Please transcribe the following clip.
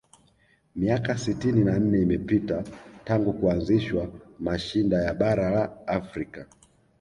miaka sitini na nne imepita tangu kuanzishwa mashinda ya bara la afrika